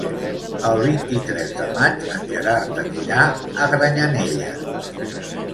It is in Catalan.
El vint-i-tres de maig en Gerard anirà a Granyanella.